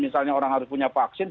misalnya orang harus punya vaksin